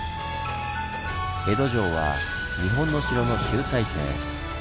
「江戸城は日本の城の集大成」。